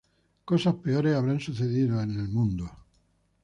Cosas peores habrán sucedido en el mundo.